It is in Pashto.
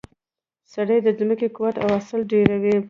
سرې د ځمکې قوت او حاصل ډیروي.